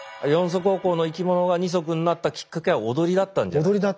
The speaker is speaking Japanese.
４足歩行の生き物が２足になったきっかけは踊りだったんじゃないか。